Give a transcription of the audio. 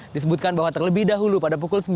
disebutkan bahwa terlebih dahulu pada pukul sembilan